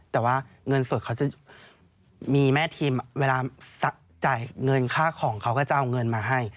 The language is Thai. แต่ว่าเงินสดเขาจะมีแม่ทีมเวลาจ่ายเงินค่าของเขาก็จะเอาเงินมาให้